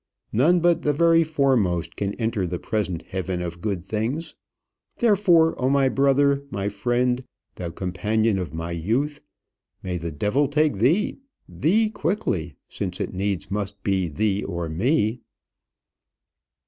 None but the very foremost can enter the present heaven of good things. Therefore, oh my brother, my friend, thou companion of my youth! may the devil take thee; thee quickly, since it needs must be thee or me.